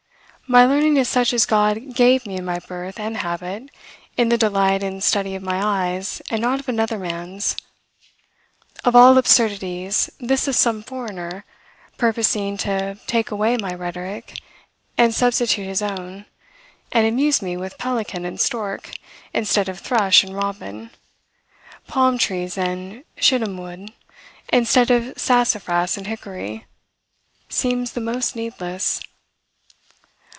My learning is such as God gave me in my birth and habit, in the delight and study of my eyes, and not of another man's. Of all absurdities, this of some foreigner, purposing to take away my rhetoric, and substitute his own, and amuse me with pelican and stork, instead of thrush and robin; palm trees and shittim wood, instead of sassafras and hickory, seems the most needless."